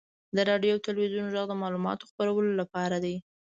• د راډیو او تلویزیون ږغ د معلوماتو خپرولو لپاره دی.